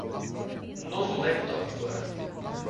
Novo laptop agora